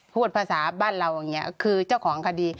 พูดภาษาบ้านเราอย่างนี้คือเจ้าของคดี